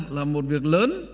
là một việc lớn